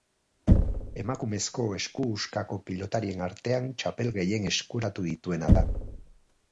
Emakumezko esku-huskako pilotarien artean txapel gehien eskuratu dituena da.